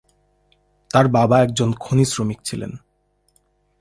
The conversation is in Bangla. তার বাবা একজন খনি শ্রমিক ছিলেন।